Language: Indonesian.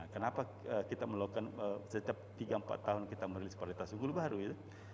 kenapa kita melakukan setiap tiga empat tahun kita merilis varietas yang dulu baru ya